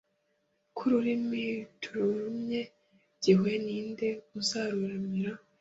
Ko ururimi tururumye gihwe ni nde uzeruremire?